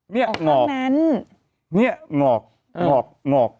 นี่หงอกนี่หงอกหงอกหงอก